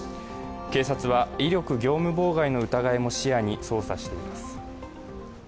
警察は威力業務妨害の疑いも視野に捜査しています。